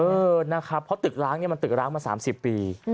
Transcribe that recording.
เออนะครับเพราะตึกร้างเนี่ยมันตึกร้างมา๓๐ปี